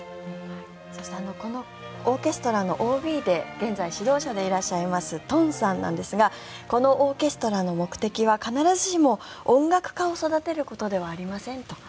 そしてこのオーケストラのＯＢで現在、指導者でいらっしゃいますトンさんなんですがこのオーケストラの目的は必ずしも音楽家を育てることではありませんと。